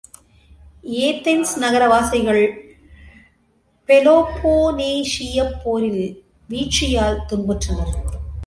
Athens நகரவாசிகள் பொலோபோனேஷியப் போரில் வீழ்ச்சியால் துன்புற்றனர்.